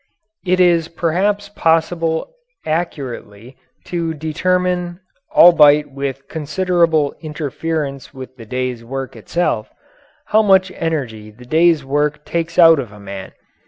It is perhaps possible accurately to determine albeit with considerable interference with the day's work itself how much energy the day's work takes out of a man.